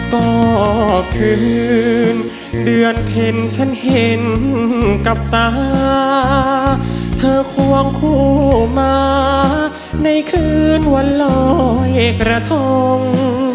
ก็คืนเดือนเพ็ญฉันเห็นกับตาเธอควงคู่มาในคืนวันลอยกระทง